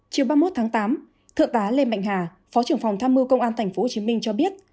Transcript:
chiều ba mươi một tháng tám thượng tá lê mạnh hà phó trưởng phòng tham mưu công an tp hồ chí minh cho biết